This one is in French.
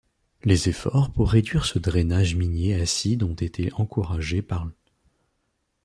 Les efforts pour réduire ce drainage minier acide ont été encouragés par l'.